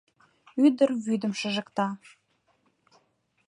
Ӱдыр вӱдым шыжыкта